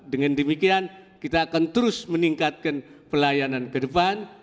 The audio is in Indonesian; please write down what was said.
dengan demikian kita akan terus meningkatkan pelayanan ke depan